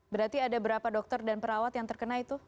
berarti ada berapa dokter dan perawat yang terkena itu